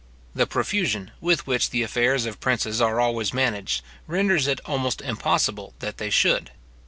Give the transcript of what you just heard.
The profusion with which the affairs of princes are always managed, renders it almost impossible that they should.